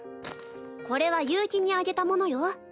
これは悠希にあげたものよ。